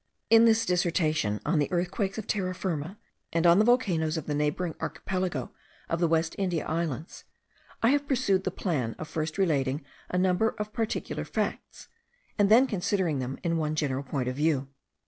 In this dissertation on the earthquakes of Terra Firma and on the volcanoes of the neighbouring archipelago of the West India Islands, I have pursued the plan of first relating a number of particular facts, and then considering them in one general point of view.